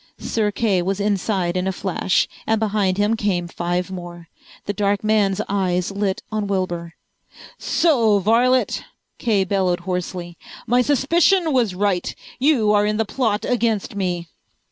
Sir Kay was inside in a flash, and behind him came five more. The dark man's eyes lit on Wilbur. "So, varlet!" Kay bellowed hoarsely. "My suspicion was right. You are in the plot against me!"